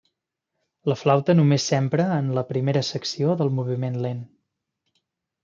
La flauta només s'empra en la primera secció del moviment lent.